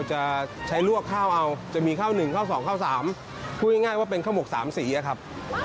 จะมีข้าวหนึ่งข้าวสองข้าวสามพูดง่ายว่าเป็นข้าวหมกสามสี่ครับ